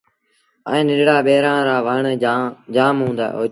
ائيٚݩ ننڍڙآ ٻيرآن رآ وڻ جآم هوئيٚتآ۔